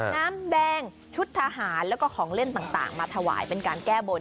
น้ำแดงชุดทหารแล้วก็ของเล่นต่างมาถวายเป็นการแก้บน